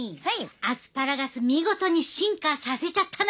アスパラガス見事に進化させちゃったな！